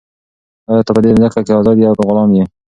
آیا ته په دې مځکه کې ازاد یې او که غلام یې؟